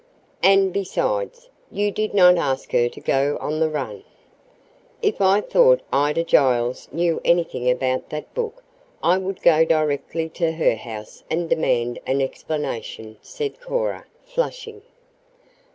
And, besides, you did not ask her to go on the run." "If I thought Ida Giles knew anything about that book I would go directly to her house and demand an explanation," said Cora, flushing.